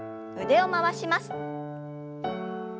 腕を回します。